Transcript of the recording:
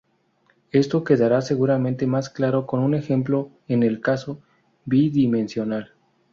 Esto quedará seguramente más claro con un ejemplo en el caso bi-dimensional.